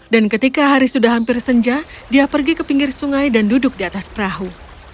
dan ketika hari sudah hampir senja dia pergi ke pinggir sungai dan duduk di atas perahu